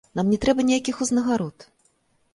Нам не трэба ніякіх узнагарод!